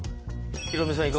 ヒロミさん